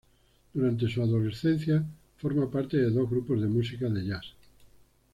Durante su adolescencia forma parte de dos grupos de música jazz.